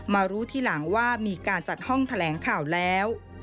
มารู้ทีหลังว่ามีการจัดห้องแถลงข่าวแล้ว